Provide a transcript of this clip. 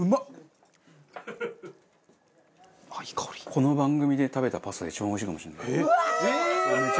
この番組で食べたパスタで一番おいしいかもしれない。